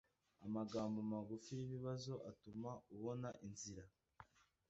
amagambo magufi yibibazo atuma ubona inzira